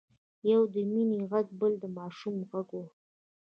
يو د مينې غږ بل د ماشوم غږ و.